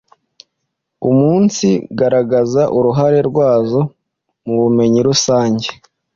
umunsigaragaza uruhare rwazo mu bumenyi rusange